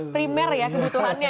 primer ya kebutuhannya